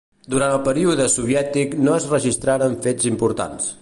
Durant el període soviètic no es registraren fets importants.